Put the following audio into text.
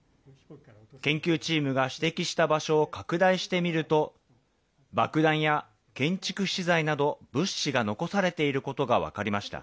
研究チームが指摘した場所を拡大してみると、爆弾や建築資材など、物資が残されていることが分かりました。